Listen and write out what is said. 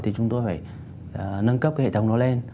thì chúng tôi phải nâng cấp cái hệ thống đó lên